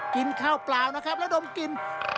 กินข้าวเปล่านะครับแล้วดมกิน